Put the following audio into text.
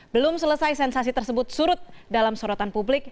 belum selesai sensasi tersebut surut dalam sorotan publik